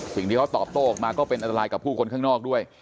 สิ่งที่เขาตอบโต้ออกมาก็เป็นอันตรายกับผู้คนข้างนอกด้วย